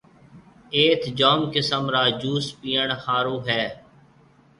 ايٿ جوم قسم را جوُس پِئيڻ هاورن هيَ۔